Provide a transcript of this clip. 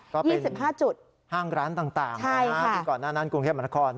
ก็เป็นห้างร้านต่างนะครับที่ก่อนหน้านั้นกรุงเทพมหาละคร